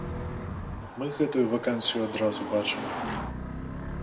Мы гэтую вакансію адразу бачым.